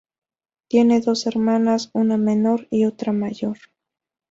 Tiene dos hermanas, una menor y otra mayor.